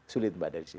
sulit mbak desi